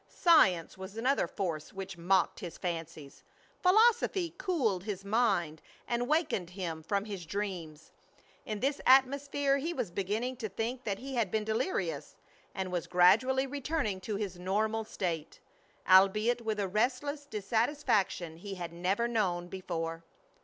SCIENCE was another force which mocked his fancies. PHILOSOPHY cooled his mind and wakened him from his dreams. In this atmosphere he was beginning to think that he had been delirious, and was gradually returning to his normal state, albeit with a restless dissatisfaction he had never known before.